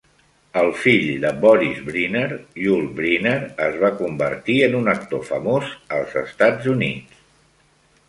El fill de Boris Brynner, Yul Brynner, es va convertir en un actor famós als Estats Units.